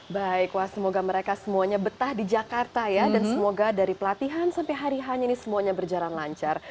baik wah semoga mereka semuanya betah di jakarta ya dan semoga dari pelatihan sampai hari hanya ini semuanya berjalan lancar